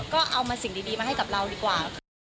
ก็เอามาสิ่งดีมาให้กับเราดีกว่า